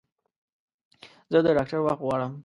زه د ډاکټر وخت غواړم